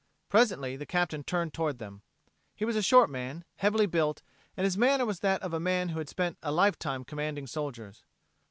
Presently the Captain turned toward them. He was a short man, heavily built, and his manner was that of a man who had spent a lifetime commanding soldiers.